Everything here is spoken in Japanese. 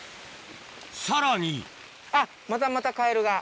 さらにあっまたまたカエルが。